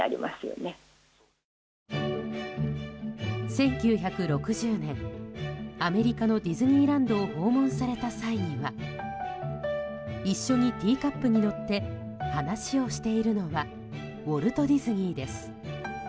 １９６０年、アメリカのディズニーランドを訪問された際には一緒にティーカップに乗って話をしているのはウォルト・ディズニーです。